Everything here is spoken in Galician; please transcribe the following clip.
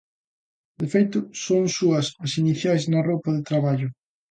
De feito, son súas as iniciais na roupa de traballo.